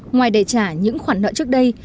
ngoài để trả những khoản nợ trước đây